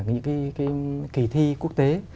những cái kỳ thi quốc tế